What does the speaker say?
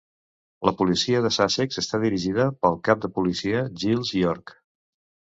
La policia de Sussex està dirigida pel cap de policia Giles York.